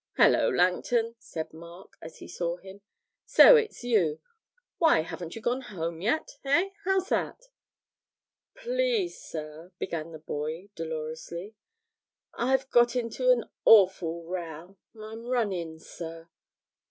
'Hullo, Langton,' said Mark, as he saw him; 'so it's you; why, haven't you gone yet, eh? How's that?' 'Please sir,' began the boy, dolorously, 'I've got into an awful row I'm run in, sir.'